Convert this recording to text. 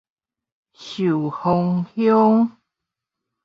壽豐鄉